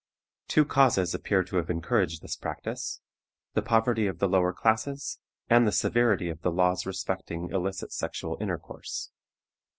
Two causes appear to have encouraged this practice: the poverty of the lower classes, and the severity of the laws respecting illicit sexual intercourse.